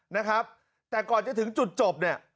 นะครับแต่ก่อนจะถึงจุดจบเนี่ย